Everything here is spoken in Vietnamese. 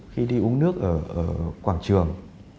khi đi uống nước ở quảng trường